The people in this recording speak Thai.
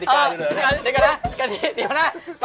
ติ๊กครับฮะ